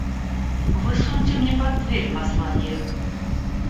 Вы суньте мне под дверь посланье.